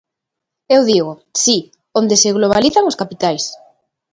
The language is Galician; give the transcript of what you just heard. Eu digo: si, onde se globalizan os capitais.